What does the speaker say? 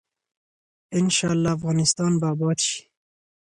ان شاء الله افغانستان به اباد شي.